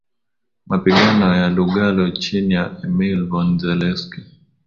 Mapigano ya Lugalo chini ya Emil von Zelewski